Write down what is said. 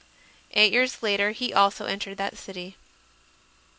Eight years later he also entered that city.